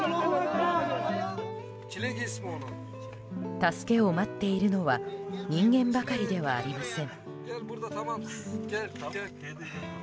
助けを待っているのは人間ばかりではありません。